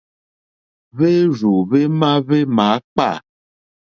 Hwérzù hwémá hwémǎkpâ.